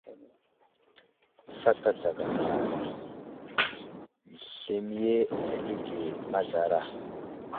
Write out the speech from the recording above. Fat adzaghar ,zlemiye alige mazlara.